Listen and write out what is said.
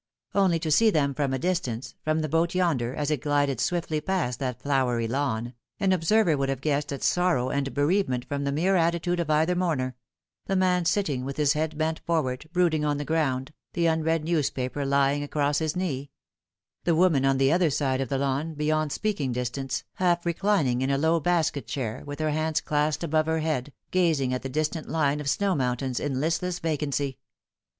Only to see them from a distance, from the boat yonder, as it glided swiftly past that flowery lawn, an observer would have guessed at sorrow and bereavement from the mere attitude of either mourner the man sitting with his head bent forward, brooding on the ground, the unread news paper lying across his knee ; the woman on the other side of the lawn, beyond speaking distance, half reclining in a low basket chair, with her bands clasped above her head, gazing at the dis tant line of snow mountains in listless vacancy.